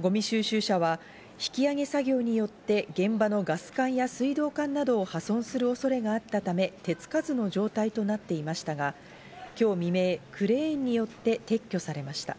ごみ収集車は引き揚げ作業によって現場のガス管や水道管などを破損する恐れがあったため手付かずの状態となっていましたが、今日未明、クレーンによって撤去されました。